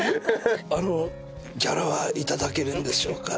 あのギャラは頂けるんでしょうか？